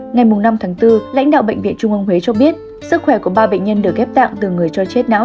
ngày năm tháng bốn lãnh đạo bệnh viện trung ương huế cho biết sức khỏe của ba bệnh nhân được ghép tạng từ người cho chết não